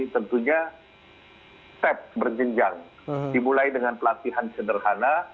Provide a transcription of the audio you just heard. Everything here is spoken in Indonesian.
tentunya tes berjenjang dimulai dengan pelatihan sederhana